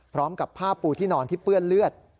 พร้อมกับผ้าปูที่นอนที่เปื้อนเลือด